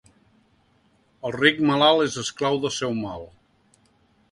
El ric malalt és esclau del seu mal.